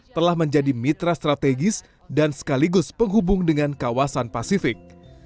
telah menjadi mitra strategis dan sekaligus penghubung dengan kawasan pasifik